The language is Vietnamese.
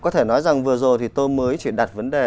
có thể nói rằng vừa rồi thì tôi mới chỉ đặt vấn đề